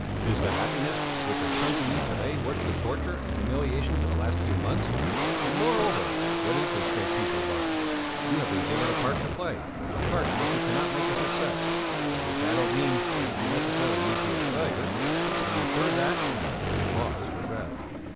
Is the happiness which has come to you to day worth the torture and humiliations of the last few months? And moreover what is this great piece of luck? You have been given a part to play, a part in which you cannot make a success by which I don't mean that you necessarily need be a failure. Are you sure that...." He paused for breath.